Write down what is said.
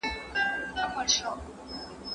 څنګه کولای سو د مالیاتو سیسټم اسانه او شفاف کړو؟